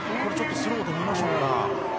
スローで見ましょうか。